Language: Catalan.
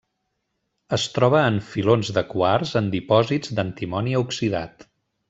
Es troba en filons de quars en dipòsits d'antimoni oxidat.